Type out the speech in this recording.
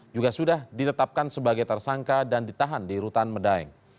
juga sudah ditetapkan sebagai tersangka dan ditahan di rutan medaeng